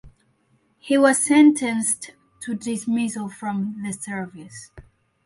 He was sentenced to dismissal from the service.